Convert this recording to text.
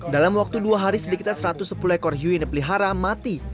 dalam waktu dua hari sedikitnya satu ratus sepuluh ekor hiu yang dipelihara mati